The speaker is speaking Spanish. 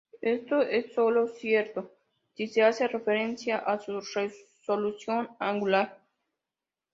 Esto es solo cierto si se hace referencia a su resolución angular.